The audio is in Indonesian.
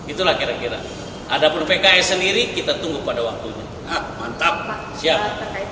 itulah kira kira ada pun pks sendiri kita tunggu pada waktu ini ah mantap siap